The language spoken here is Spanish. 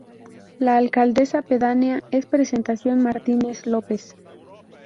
La alcaldesa pedánea es Presentación Martínez López.